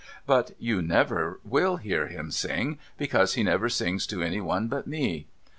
But you never will hear him sing, because he never sings to any one but me.